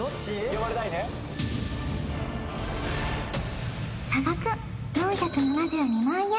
・呼ばれたいね差額４７２万円